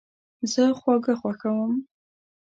زه خواږه خوښوم